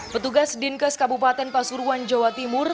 petugas dinkes kabupaten pasuruan jawa timur